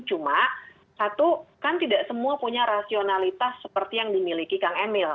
cuma satu kan tidak semua punya rasionalitas seperti yang dimiliki kang emil